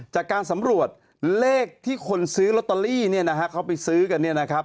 จากการสำรวจเลขที่คนซื้อลอตเตอรี่เนี่ยนะฮะเขาไปซื้อกันเนี่ยนะครับ